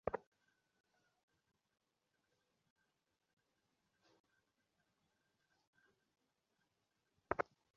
এই দেয়ালটির দিকেই মাথা করে আমি শুতাম।